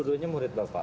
itu judulnya murid bapak